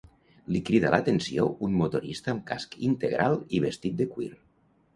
Li crida l'atenció un motorista amb casc integral i vestit de cuir.